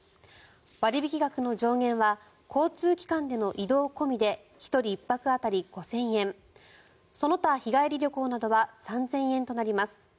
割引額の上限は交通機関での移動込みで１人１泊当たり５０００円その他、日帰り旅行などは３０００円となります。